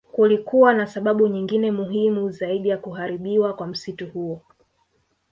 Kulikuwa na sababu nyingine muhimu zaidi za kuharibiwa kwa msitu huo